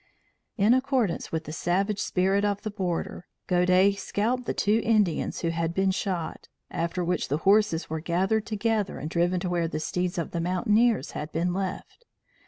In accordance with the savage spirit of the border, Godey scalped the two Indians who had been shot, after which the horses were gathered together and driven to where the steeds of the mountaineers had been left.